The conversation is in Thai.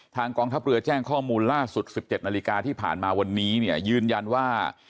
กองทัพเรือแจ้งข้อมูลล่าสุด๑๗นาฬิกาที่ผ่านมาวันนี้เนี่ยยืนยันว่า